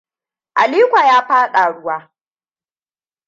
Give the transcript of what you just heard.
Aliko ya faɗa ruwa.